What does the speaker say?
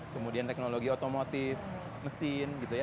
kemudian teknologi otomotif mesin gitu ya